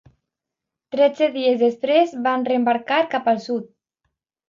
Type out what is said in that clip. Tretze dies després, van reembarcar cap al sud.